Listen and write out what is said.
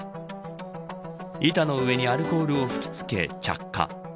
板の上にアルコールを吹き付け着火。